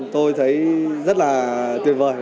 tôi thấy rất là tuyệt vời